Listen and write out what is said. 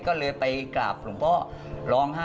ก็เลยไปกราบหลวงพ่อร้องไห้